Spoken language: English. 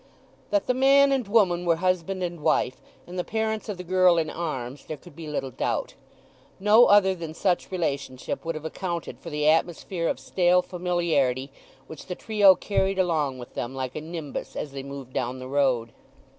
That the man and woman were husband and wife, and the parents of the girl in arms there could be little doubt. No other than such relationship would have accounted for the atmosphere of stale familiarity which the trio carried along with them like a nimbus as they moved down the road.